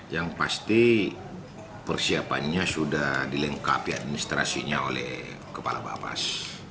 yang pasti persiapannya sudah dilengkapi administrasinya oleh kepala bapas